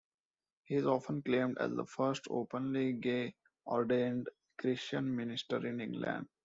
He is often claimed as the first openly gay ordained Christian minister in England.